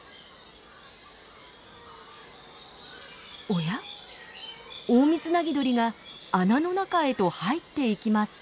おやっオオミズナギドリが穴の中へと入っていきます。